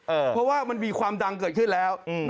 เพราะว่ามันมีความดังเกิดขึ้นแล้ว